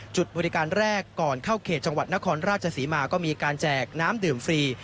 จุดบริการแรกก่อนเข้าเขตจังหวัดนครราชศรีมาก็มีการแจกน้ำดื่มฟรี